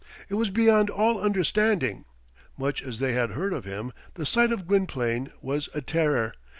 It was beyond all understanding; much as they had heard of him, the sight of Gwynplaine was a terror.